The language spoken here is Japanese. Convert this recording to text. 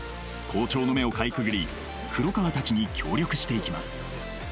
校長の目をかいくぐり黒川たちに協力していきます